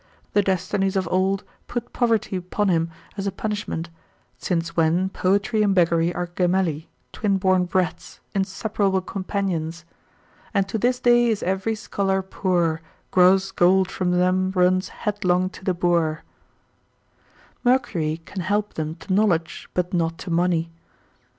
The destinies of old put poverty upon him as a punishment; since when, poetry and beggary are Gemelli, twin born brats, inseparable companions; And to this day is every scholar poor; Gross gold from them runs headlong to the boor: Mercury can help them to knowledge, but not to money.